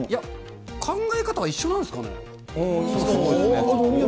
考え方は一緒なんですかね。